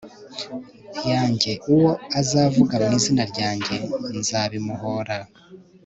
yanjye uwo azavuga mu izina ryanjye nzabimuhora